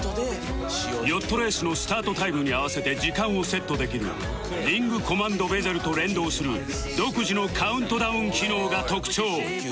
ヨットレースのスタートタイムに合わせて時間をセットできるリングコマンドベゼルと連動する独自のカウントダウン機能が特徴